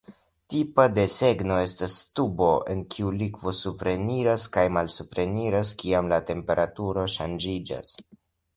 Tipa desegno estas tubo en kiu likvo supreniras kaj malsupreniras kiam la temperaturo ŝanĝiĝas.